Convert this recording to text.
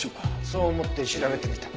そう思って調べてみた。